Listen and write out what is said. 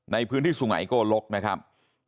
ในพื้นที่สุไงโกลกนะครับ